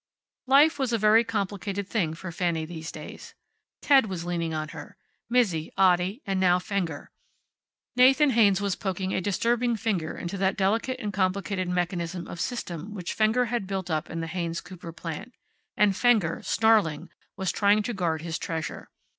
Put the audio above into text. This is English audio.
Life was a very complicated thing for Fanny these days. Ted was leaning on her; Mizzi, Otti, and now Fenger. Nathan Haynes was poking a disturbing finger into that delicate and complicated mechanism of System which Fenger had built up in the Haynes Cooper plant. And Fenger, snarling, was trying to guard his treasure.